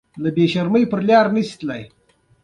د مولی ریښه د څه لپاره وکاروم؟